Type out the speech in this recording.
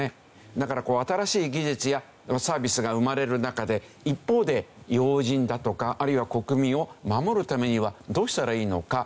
だから新しい技術やサービスが生まれる中で一方で要人だとかあるいは国民を守るためにはどうしたらいいのか。